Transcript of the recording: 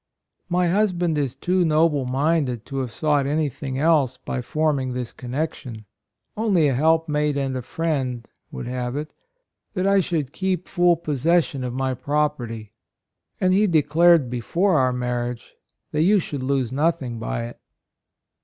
My husband is too noble minded to have sought anything else, by form ing this connexion, only a help mate and a friend, would have it, that I should keep full possession of my property, and he declared, 7* 74 HIS FORTUNE, RUSSIAN DECREE. before our marriage, that you should lose nothing by it."